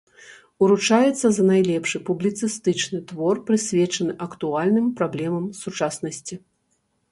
Уручаецца за найлепшы публіцыстычны твор, прысвечаны актуальным праблемам сучаснасці.